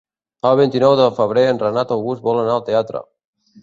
El vint-i-nou de febrer en Renat August vol anar al teatre.